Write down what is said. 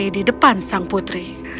dia berdiri di depan sang putri